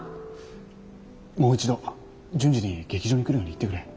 もう一度潤二に劇場に来るように言ってくれ。